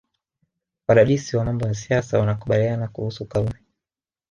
Wadadisi wa mambo ya siasa wanakubaliana kuhusu Karume